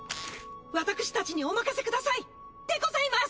私たちにお任せくださいでございます！